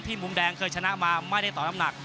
มุมแดงเคยชนะมาไม่ได้ต่อน้ำหนัก